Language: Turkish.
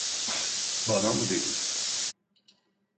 Bana mı dedin?